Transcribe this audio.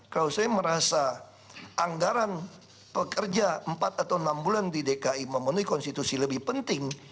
kalau saya merasa anggaran pekerja empat atau enam bulan di dki memenuhi konstitusi lebih penting